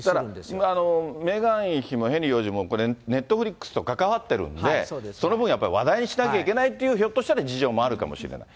だからメーガン妃もヘンリー王子もネットフリックスと関わってるんで、その分、やっぱり話題にしなきゃいけないという、ひょっとしたら事情もあるかもしれない。